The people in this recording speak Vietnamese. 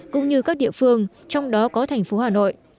cũng như các địa phương trong đó có thành phố hà nội